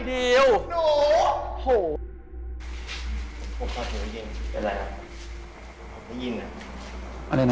ด้วยฟังดัน